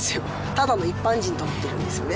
ただの一般人と思ってるんですね